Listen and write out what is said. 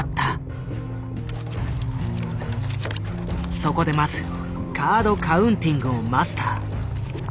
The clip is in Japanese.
そこでまずカード・カウンティングをマスター。